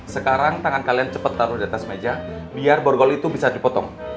sekarang tangan kalian cepat taruh di atas meja biar borgol itu bisa dipotong